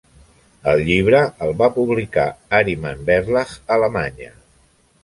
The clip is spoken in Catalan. El llibre el va publicar Ahriman Verlag a Alemanya.